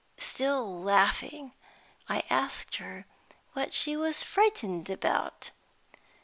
Still laughing, I asked her what she was frightened about.